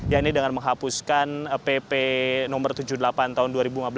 ya ini dengan menghapuskan pp no tujuh puluh delapan tahun dua ribu lima belas